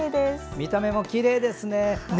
見た目もきれいですね。